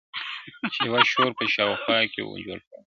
• چي یې شور په شاوخوا کي وو جوړ کړی -